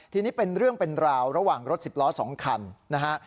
ทีนี้เป็นเรื่องเป็นราวระหว่างรถสิบล้อ๒คันนะฮะ